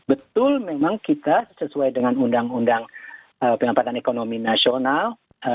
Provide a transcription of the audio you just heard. betul memang kita sesuai dengan undang undang pengamatan ekonomi nasional